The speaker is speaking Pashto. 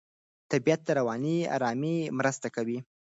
طبیعت د رواني آرامۍ مرسته کوي.